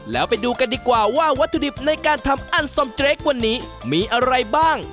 แล้วไปดูกันดีกว่าว่าวัตถุดิบในการทำอันสมเจรควันนี้มีอะไรบ้าง